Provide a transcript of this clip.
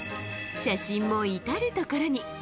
写真も至る所に。